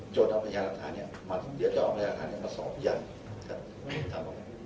โจทย์เอาพยาหลักฐานเนี่ยเดี๋ยวจะเอาพยาหลักฐานเนี่ยมาสอบยัง